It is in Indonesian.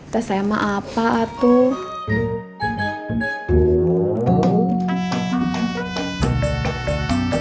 tersama apa tuh